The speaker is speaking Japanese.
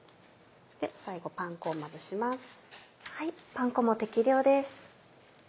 最後パン粉をまぶします。